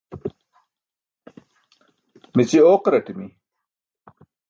Mici ooqaraṭimi.